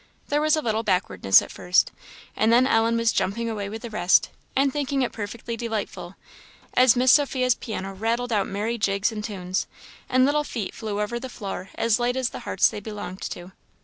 There was a little backwardness at first, and then Ellen was jumping away with the rest, and thinking it perfectly delightful, as Miss Sophia's piano rattled out merry jigs and tunes, and little feet flew over the floor as light as the hearts they belonged to.